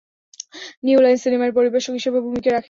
New line cinema এর পরিবেশক হিসেবেও ভূমিকা রাখে।